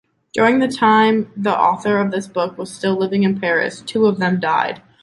During the time the author of this book was still living in Paris, two of them died.